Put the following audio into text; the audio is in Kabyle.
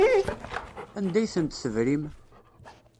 Anda ay tent-tebrim?